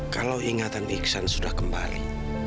kalau ingatan iksan sudah kembali